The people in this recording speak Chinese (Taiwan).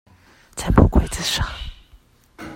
在木櫃子上